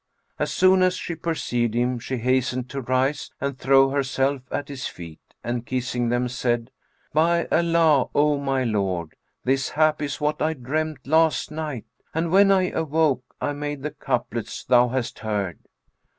As soon as she perceived him, she hastened to rise and throw herself at his feet, and kissing them, said, "By Allah, O my lord, this hap is what I dreamt last night; and, when I awoke, I made the couplets thou hast heard."